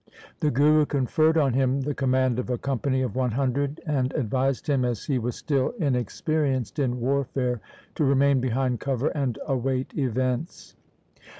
The Guru conferred on him the command of a company of one hundred, and advised him, as he was still in SIKH. V K i 3 o THE SIKH RELIGION experienced in warfare, to remain behind cover and await events.